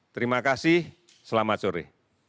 terima kasih selamat sore